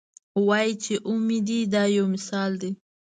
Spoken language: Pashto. وایي چې اومې دي دا یو مثال دی.